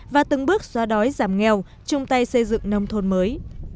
và từng bước xóa đói giảm nghèo chung tay xây dựng nông thôn mới